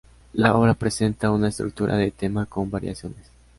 La obra presenta una estructura de tema con variaciones.